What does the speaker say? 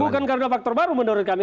bukan karena faktor baru menurut kami